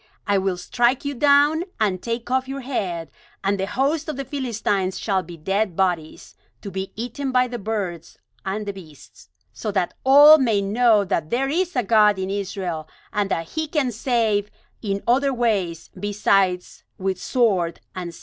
I will strike you down, and take off your head, and the host of the Philistines shall be dead bodies, to be eaten by the birds and the beasts; so that all may know that there is a God in Israel, and that He can save in other ways besides with sword and spear."